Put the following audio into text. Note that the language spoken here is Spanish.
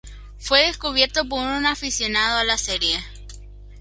Fue descubierto por un aficionado a la serie.